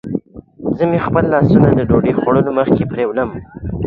خو وايي چې د ولسي خلکو پر مخ دا دروازه لا هم تړلې ده.